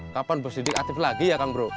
kapan bos didik aktif lagi ya kang bro